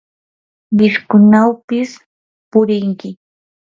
wiskunawpis purinki.